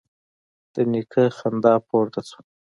د نيکه خندا پورته شوه: